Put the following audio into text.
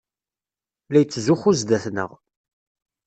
La yettzuxxu zdat-neɣ.